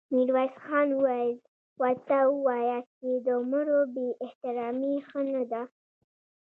ميرويس خان وويل: ورته وواياست چې د مړو بې احترامې ښه نه ده.